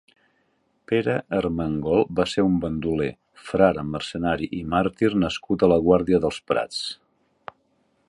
Pere Ermengol va ser un bandoler, frare mercedari i màrtir nascut a la Guàrdia dels Prats.